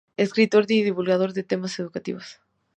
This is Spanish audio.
Escritor y divulgador de temas educativos.